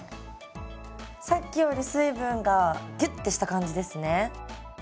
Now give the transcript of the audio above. さっきより水分がギュッってした感じですね。